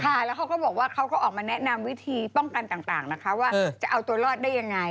แล้วเขาก็บอกว่าเขาก็ออกมาแนะนำวิธีป้องกันต่างนะคะว่าจะเอาตัวรอดได้ยังไง